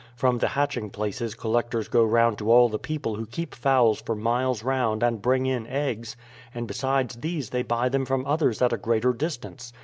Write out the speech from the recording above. From the hatching places collectors go round to all the people who keep fowls for miles round and bring in eggs, and beside these they buy them from others at a greater distance.